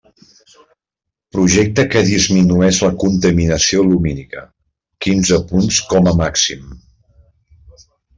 Projecte que disminueix la contaminació lumínica, quinze punts com a màxim.